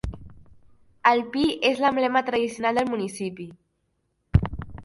El pi és l'emblema tradicional del municipi.